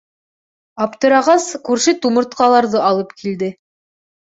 Аптырағас, күрше тумыртҡаларҙы алып килде.